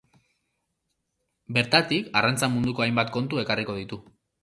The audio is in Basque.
Bertatik, arrantza munduko hainbat kontu ekarriko ditu.